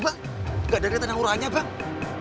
gak ada kata kata naura nya bang